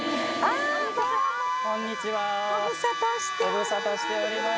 ご無沙汰しております。